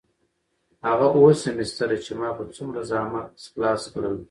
هغه اووه سمستره چې ما په څومره زحمت خلاص کړل.